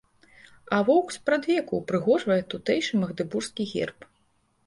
А воўк спрадвеку ўпрыгожвае тутэйшы магдэбургскі герб.